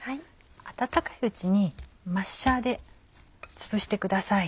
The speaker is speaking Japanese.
温かいうちにマッシャーでつぶしてください。